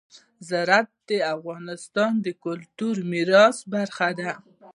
زراعت د افغانستان د کلتوري میراث برخه ده.